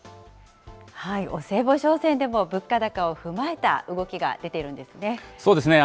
お歳暮商戦でも物価高を踏まえた動きが出ているんですね。